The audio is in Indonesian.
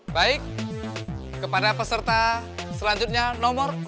baik kepada peserta selanjutnya nomor empat belas